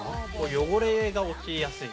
◆汚れが落ちやすい。